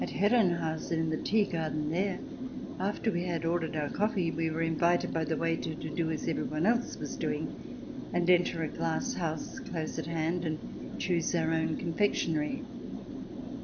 At Herrenhausen, in the tea garden there, after we had ordered our coffee we were invited by the waiter to do as everyone else was doing, and enter a glass house close at hand and choose our own confectionery.